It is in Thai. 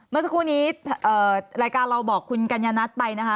เมื่อสักครู่นี้รายการเราบอกคุณกัญญานัทไปนะคะ